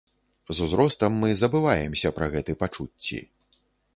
З узростам мы забываемся пра гэты пачуцці.